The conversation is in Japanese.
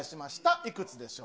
いくつでしょう。